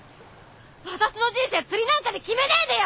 私の人生釣りなんかで決めねえでよ！